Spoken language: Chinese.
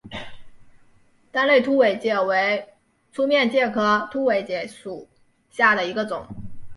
单肋凸尾介为粗面介科凸尾介属下的一个种。